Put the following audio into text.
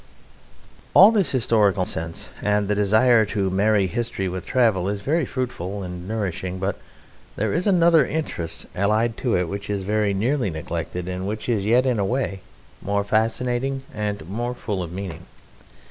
All this historical sense and the desire to marry History with Travel is very fruitful and nourishing, but there is another interest, allied to it, which is very nearly neglected, and which is yet in a way more fascinating and more full of meaning.